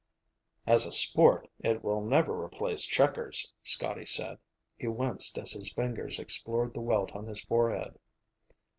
"As a sport, it will never replace checkers," Scotty said. He winced as his fingers explored the welt on his forehead.